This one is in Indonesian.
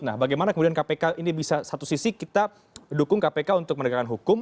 nah bagaimana kemudian kpk ini bisa satu sisi kita dukung kpk untuk menegakkan hukum